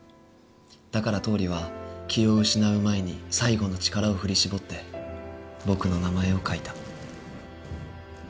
だから倒理は気を失う前に最後の力を振り絞って僕の名前を書いた。